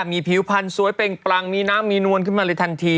มีผิวพันธ์สวยเปล่งปรังมีน้ำมีนวลขึ้นมาเลยทันที